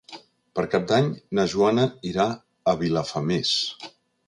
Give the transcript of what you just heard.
Per Cap d'Any na Joana irà a Vilafamés.